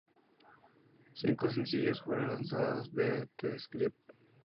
Cinco sencillos fueron lanzados de "The Script".